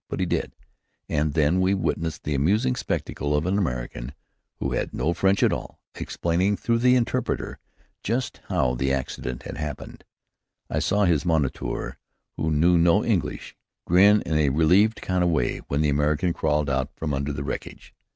But he did, and then we witnessed the amusing spectacle of an American, who had no French at all, explaining through the interpreter just how the accident had happened. I saw his moniteur, who knew no English, grin in a relieved kind of way when the American crawled out from under the wreckage.